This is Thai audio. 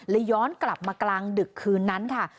ย้อนกลับมากลางดึกคืนนั้นค่ะ